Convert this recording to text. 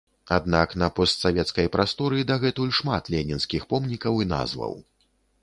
Аднак, на постсавецкай прасторы дагэтуль шмат ленінскіх помнікаў і назваў.